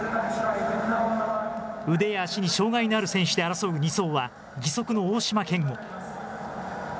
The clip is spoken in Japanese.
腕や足に障害のある選手で争う２走は、義足の大島健吾。